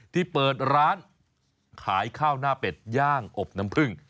ที่เปิดร้านขายข้าวหน้าเป็ดย่างอบน้ำพึ่ง